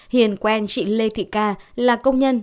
hiền quen chị lê thị ca là công nhân